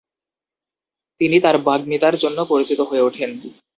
তিনি তার বাগ্মিতার জন্য পরিচিত হয়ে ওঠেন।